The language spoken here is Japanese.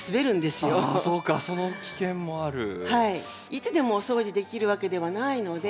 いつでもお掃除できるわけではないので。